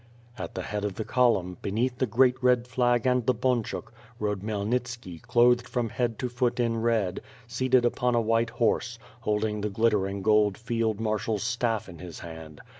At the head of the column, beneath the great red flag and the bunchuk, rode Khmyelnitski clothed from head to foot in red, seated upon a white horse, holding the glittering gold field marshal's staff in his hand.